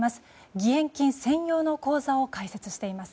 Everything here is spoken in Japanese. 義援金専用の口座を開設しています。